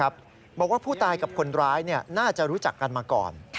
บอกว่าผู้ตายกับคนร้ายน่าจะรู้จักกันมาก่อน